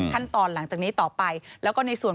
ขั้นตอนหลังจากนี้ต่อไปแล้วก็ในส่วน